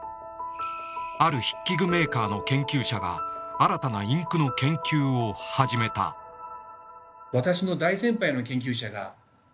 ある筆記具メーカーの研究者が新たなインクの研究を始めたって考えたんです。